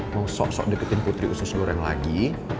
mau sok sok deketin putri usus duren lagi